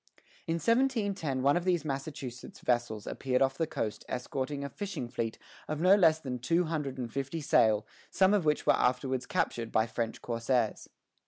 In 1710 one of these Massachusetts vessels appeared off the coast escorting a fishing fleet of no less than two hundred and fifty sail, some of which were afterwards captured by French corsairs.